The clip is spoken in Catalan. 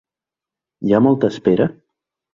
Hi ha molta espera?